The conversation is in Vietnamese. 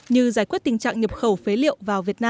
như giải quyết tình trạng nhập khẩu phế liệu vào việt nam